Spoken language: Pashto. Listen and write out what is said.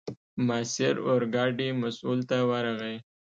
ماسیر اورګاډي مسوول ته ورغی.